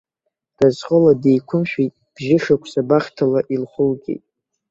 Разҟыла деиқәымшәеит, бжьышықәса бахҭала илхылгеит.